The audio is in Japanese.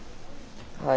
はい。